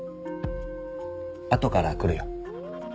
あとから来るよ。